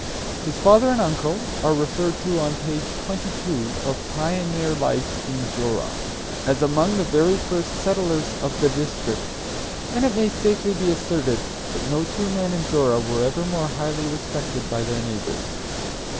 His father and uncle are referred to on page 22 of "Pioneer Life in Zorra," as among the very first settlers of the district, and it may safely be asserted that no two men in Zorra were ever more highly respected by their neighbors.